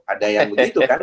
ada yang begitu kan